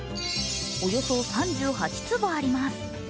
およそ３８坪あります。